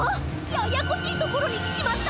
ややこしいところにきちまった！